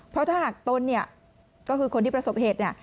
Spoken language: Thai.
เพราะถ้าหากต้นก็คือคนที่ประสบเหตุ